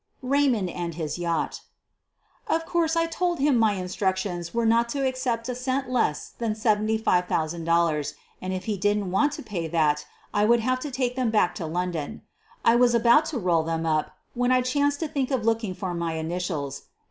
RAYMOND AND HIS YACHT Of course, I told him my instructions were not to accept a cent less than $75,000, and if he didn't want to pay that I would have to take them back to Lon don. I was about to roll them up when I chanced to think of looking for my initials.